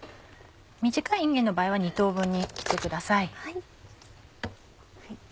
短いいんげんの場合は２等分に切ってください。